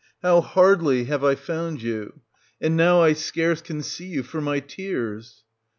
How hardly have I found you ! and now I scarce can see you for my tears.